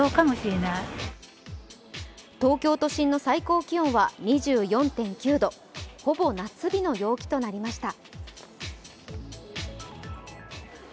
東京都心の最高気温は２４．９度、ほぼ夏日の陽気となりました。